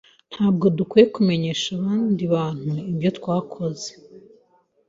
Ntabwo dukwiye kumenyesha abandi bantu ibyo twakoze.